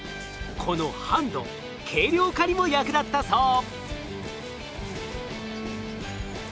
このハンド軽量化にも役立ったそう。